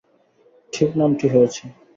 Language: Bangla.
ঠিক নামটি হয়েছে।